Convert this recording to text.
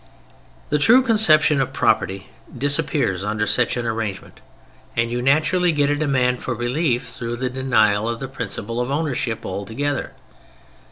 The true conception of property disappears under such an arrangement, and you naturally get a demand for relief through the denial of the principle of ownership altogether.